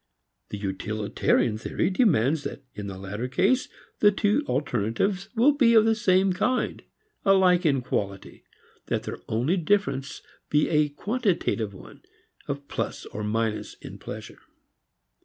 The utilitarian theory demands that in the latter case the two alternatives still be of the same kind, alike in quality, that their only difference be a quantitative one, of plus or minus in pleasure.